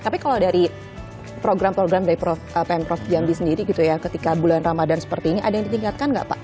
tapi kalau dari program program dari pemprov jambi sendiri gitu ya ketika bulan ramadhan seperti ini ada yang ditingkatkan nggak pak